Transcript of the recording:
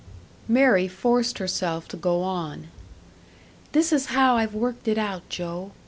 Mary forced herself to go on. "This is how I've worked it out, Joe!